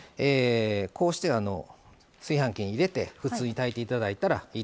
こうして炊飯器に入れて普通に炊いて頂いたらいいと思います。